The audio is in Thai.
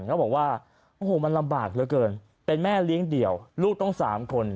เขาบอกว่าโอ้โหมันลำบากเหลือเกินเป็นแม่เลี้ยงเดี่ยวลูกต้องสามคน